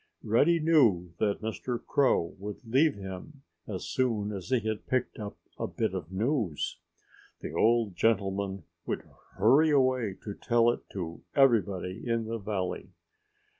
Reddy knew that Mr. Crow would leave him as soon as he had picked up a bit of news. The old gentleman would hurry away to tell it to everybody in the valley.